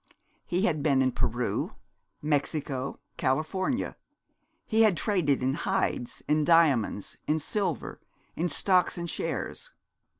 He had been in Peru, Mexico, California. He had traded in hides, in diamonds, in silver, in stocks and shares.